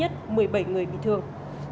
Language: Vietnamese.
nhất một mươi bảy người bị thương